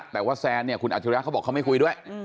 แต่ว่าแซนเนี่ยคุณอัจฉริยะเขาบอกเขาไม่คุยด้วย